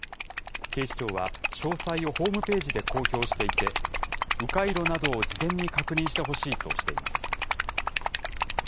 警視庁は、詳細をホームページで公表していて、う回路などを事前に確認してほしいとしています。